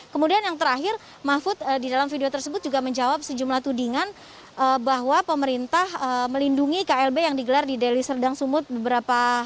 kemudian yang terakhir mahfud di dalam video tersebut juga menjawab sejumlah tudingan bahwa pemerintah melindungi klb yang digelar di deli serdang sumut beberapa